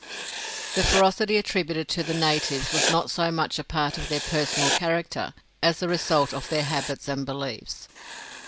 The ferocity attributed to the natives was not so much a part of their personal character as the result of their habits and beliefs.